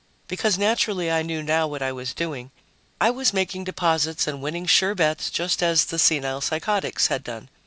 Because, naturally, I knew now what I was doing: I was making deposits and winning sure bets just as the "senile psychotics" had done.